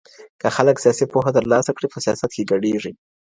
که خلګ سياسي پوهه ترلاسه کړي په سياست کي ګډيږي.